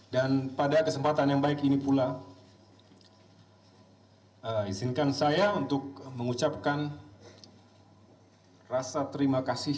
dan pada kesempatan yang baik ini pula izinkan saya untuk mengucapkan rasa terima kasih